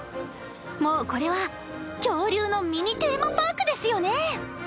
もうこれは恐竜のミニテーマパークですよね・